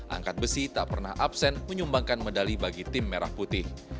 angkat besi tak pernah absen menyumbangkan medali bagi tim merah putih